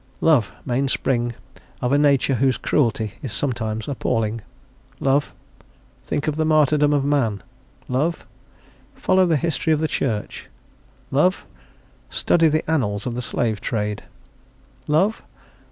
Love, mainspring of a nature whose cruelty is sometimes appalling? Love? Think of the "martyrdom of man!" Love? Follow the History of the Church! Love? Study the annals of the slave trade! Love?